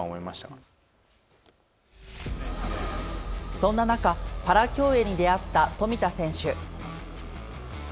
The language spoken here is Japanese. そんな中パラ競泳に出会った富田選手。